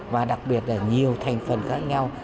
và đặc biệt là nhiều thành phần khác nhau